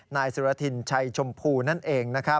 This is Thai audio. นายสุรทินชัยชมพูนั่นเอง